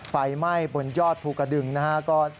ไฟไหม้บนยอดภูกระดึงนะครับ